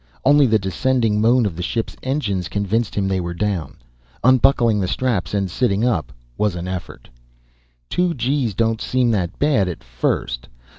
Only the descending moan of the ship's engines convinced him they were down. Unbuckling the straps and sitting up was an effort. Two G's don't seem that bad at first.